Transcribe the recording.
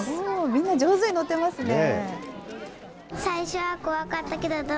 みんな上手に乗ってますね。